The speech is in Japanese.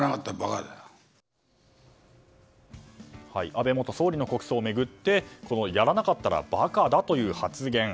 安倍元総理の国葬を巡ってやらなかったらバカだという発言。